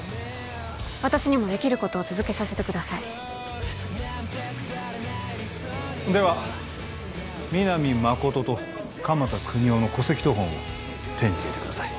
私にもできることを続けさせてくださいでは皆実誠と鎌田國士の戸籍謄本を手に入れてください